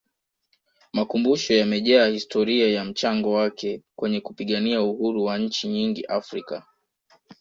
makumbusho yamejaa historia ya mchango wake kwenye kupigania Uhuru wa nchi nyingi africa